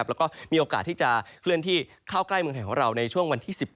แล้วก็มีโอกาสที่จะเคลื่อนที่เข้าใกล้เมืองไทยของเราในช่วงวันที่๑๗